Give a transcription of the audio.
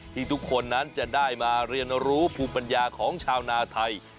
ทุกคนนั้นจะได้มาเรียนรู้ภูมิปัญญาของชาวนาไทย